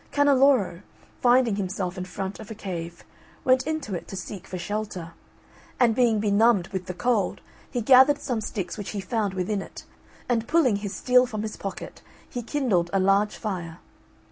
Canneloro, finding himself in front of a cave, went into it to seek for shelter; and being benumbed with the cold, he gathered some sticks which he found within it, and pulling his steel from his pocket, he kindled a large fire.